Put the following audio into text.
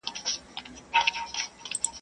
د گوړي په ويلو خوله نه خوږېږي.